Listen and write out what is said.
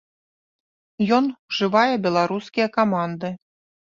Ён ўжывае беларускія каманды.